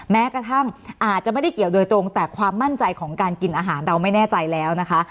แม้กระทั่งอาจจะไม่ได้เกี่ยวโดยตรงแต่ความมั่นใจของการกินอาหารเราไม่แน่ใจแล้วนะคะ